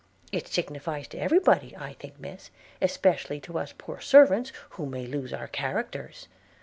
'It signifies to every body, I think, Miss, especially to us poor servants, who may lose our characters.